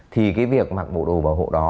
thì cái việc mặc bộ đồ bảo hộ đó